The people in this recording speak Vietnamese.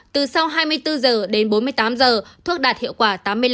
từ sau hai mươi bốn giờ đến bốn mươi tám giờ thuốc đạt hiệu quả tám mươi năm